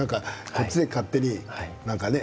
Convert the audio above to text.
こっちで勝手に何かね